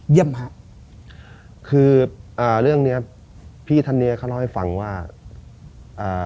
ฮะคืออ่าเรื่องเนี้ยพี่ท่านเนี้ยเขาเล่าให้ฟังว่าอ่า